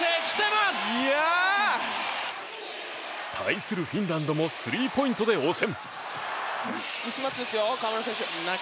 対するフィンランドもスリーポイントで応戦。